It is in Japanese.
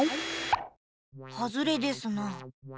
はずれですな。